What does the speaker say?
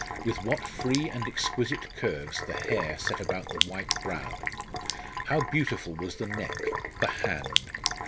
With what free and exquisite curves the hair set about the white brow! How beautiful was the neck the hand!